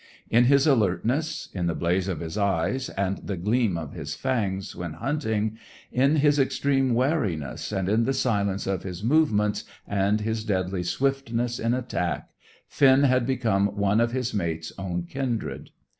In his alertness, in the blaze of his eyes, and the gleam of his fangs when hunting, in his extreme wariness and in the silence of his movements, and his deadly swiftness in attack, Finn had become one of his mate's own kindred.